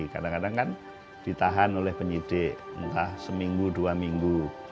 kadang kadang kan ditahan oleh penyidik minggu dua minggu